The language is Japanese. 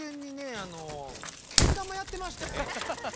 あのけん玉やってましてね。